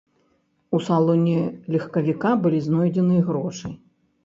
У салоне легкавіка былі знойдзены грошы.